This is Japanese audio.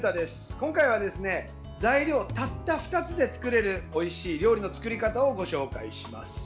今回は材料たった２つで作れるおいしい料理の作り方をご紹介します。